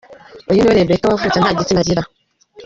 Uyu niwe Rebekah wavutse nta gitsina agira.